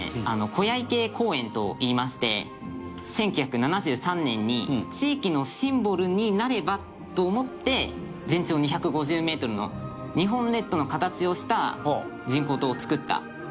昆陽池公園といいまして１９７３年に地域のシンボルになればと思って全長２５０メートルの日本列島の形をした人工島を作った。